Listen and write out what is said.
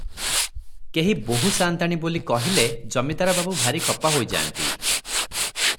କେହି ବୋହୁ ସାନ୍ତାଣୀ ବୋଲି କହିଲେ ଜମିଦାର ବାବୁ ଭାରି ଖପା ହୋଇଯାଆନ୍ତି ।